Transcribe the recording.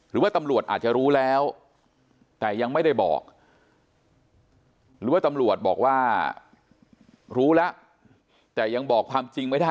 หรือว่าตำรวจอาจจะรู้แล้วแต่ยังไม่ได้บอกหรือว่าตำรวจบอกว่ารู้แล้วแต่ยังบอกความจริงไม่ได้